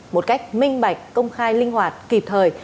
một cách minh bạch công khai linh hoạt kịp thời